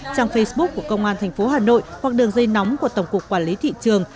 trang facebook của công an tp hà nội hoặc đường dây nóng của tổng cục quản lý thị trường